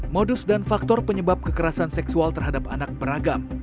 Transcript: modus dan faktor penyebab kekerasan seksual terhadap anak beragam